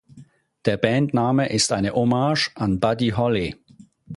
Der Bandname ist eine Hommage an Buddy Holly.